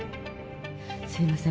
すみません。